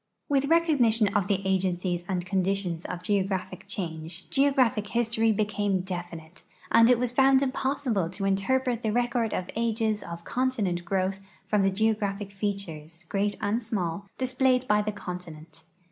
With recognition of the agencies and conditions of geographic change geogra[)hic history became definite, and it was found ])ossilde to interpret the record of ages of continent growth from the geographic features, great and small, displayed by the continent.